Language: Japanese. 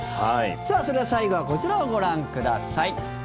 さあ、それでは最後はこちらをご覧ください。